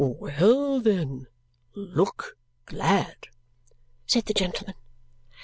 "Well, then! Look glad!" said the gentleman.